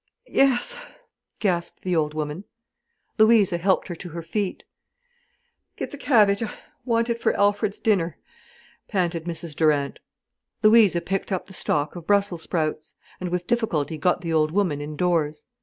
"Yes," gasped the old woman. Louisa helped her to her feet. "Get the cabbage—I want it for Alfred's dinner," panted Mrs Durant. Louisa picked up the stalk of brussel sprouts, and with difficulty got the old woman indoors.